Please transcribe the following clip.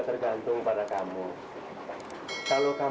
kamu kan petik petik